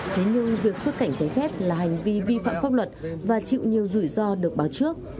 thế nhưng việc xuất cảnh trái phép là hành vi vi phạm pháp luật và chịu nhiều rủi ro được báo trước